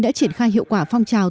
đã triển khai hiệu quả phong trào